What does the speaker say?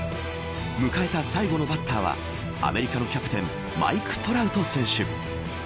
迎えた最後のバッターはアメリカのキャプテンマイク・トラウト選手。